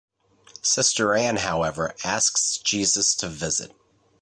Sister Anne, however, asks Jesus to visit.